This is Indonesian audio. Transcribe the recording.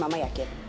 gue sama yakin